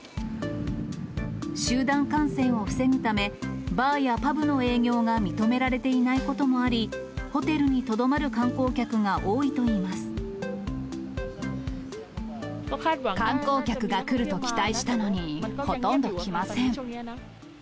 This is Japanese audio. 集団感染を防ぐため、バーやパブの営業が認められていないこともあり、ホテルにとどま観光客が来ると期待したのに、ほとんど来ません。